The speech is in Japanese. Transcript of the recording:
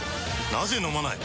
なぜ飲まない？